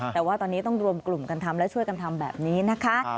แต่ว่าตอนนี้ต้องรวมกลุ่มกันทำและช่วยกันทำแบบนี้นะคะ